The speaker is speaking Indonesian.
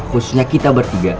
khususnya kita bertiga